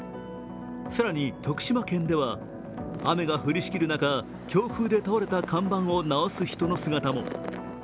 更に、徳島県では、雨が降りしきる中、強風で倒れた看板を直す人の姿も。